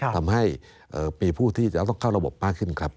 ทำให้มีผู้ที่จะต้องเข้าระบบมากขึ้นครับ